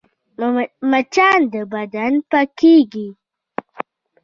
مچان په بدن پکېږي